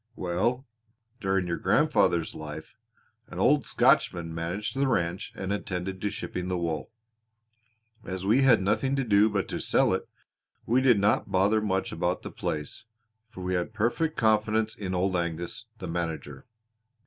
"Well, during your grandfather's life an old Scotchman managed the ranch and attended to shipping the wool. As we had nothing to do but to sell it, we did not bother much about the place, for we had perfect confidence in Old Angus, the manager.